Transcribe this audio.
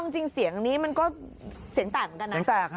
จริงเสียงนี้มันก็เสียงแตกเหมือนกันนะ